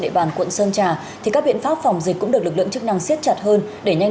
địa bàn quận sơn trà thì các biện pháp phòng dịch cũng được lực lượng chức năng siết chặt hơn để nhanh